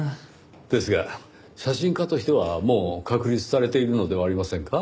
ですが写真家としてはもう確立されているのではありませんか？